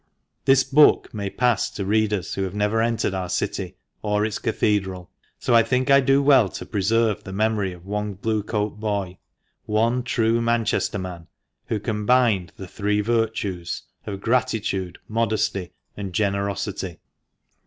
This book may pass to readers who have never entered our city, or its Cathedral, so I think I do well to preserve the memory of one Blue coat boy— one true Manchester man— who combined the three virtues of gratitude, modesty, and generosity.